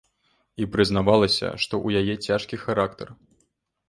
І прызнавалася, што ў яе цяжкі характар.